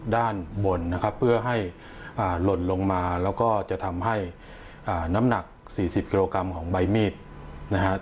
ด้านบนนะครับเพื่อให้หล่นลงมาแล้วก็จะทำให้น้ำหนัก๔๐กิโลกรัมของใบมีดนะครับ